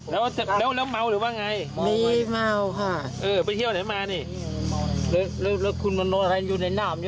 แล้วเกิดเล่าแล้วเมาหรือว่าง่าย